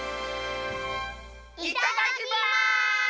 いただきます！